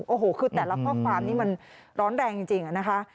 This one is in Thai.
โอ้โหคือแต่ละข้อความนี้มันร้อนแรงจริงนะคะ